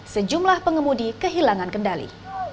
sejumlah pengemudi kehilangan kendali